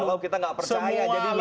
kalau kita gak percaya jadinya